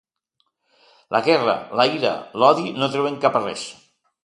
La guerra, la ira, l’odi no treuen cap a res.